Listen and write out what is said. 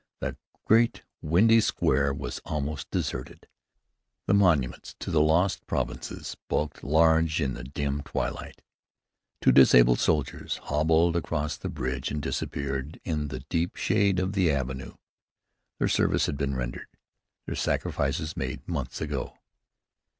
The great windy square was almost deserted. The monuments to the lost provinces bulked large in the dim lamplight. Two disabled soldiers hobbled across the bridge and disappeared in the deep shade of the avenue. Their service had been rendered, their sacrifices made, months ago.